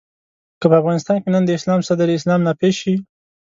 که په افغانستان کې نن د اسلام صدر اسلام نافذ شي.